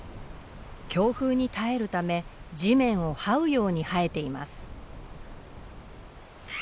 強風に耐えるため地面をはうように生えています。